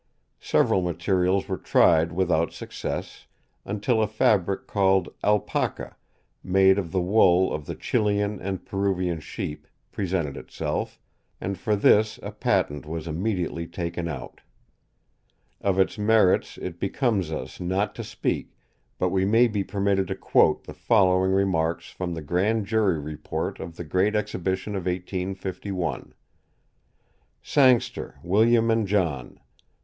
Several materials were tried without success, until a fabric called Alpaca, made of the wool of the Chilian and Peruvian sheep, presented itself, and for this a patent was immediately taken out. Of its merits it becomes us not to speak, but we may be permitted to quote the following remarks from the Grand Jury Report of the Great Exhibition of 1851: "SANGSTER, WILLIAM AND JOHN.